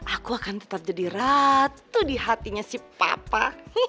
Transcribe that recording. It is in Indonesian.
aku akan tetap jadi ratu di hatinya si papa